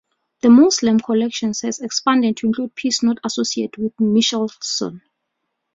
The museum's collection has expanded to include pieces not associated with Michelson.